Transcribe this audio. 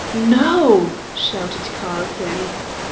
"No?" shouted Carlton.